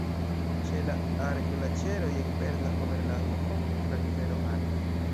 Ĉe la Ar-Glaĉeroj en Berna Oberlando fontas la rivero Aro.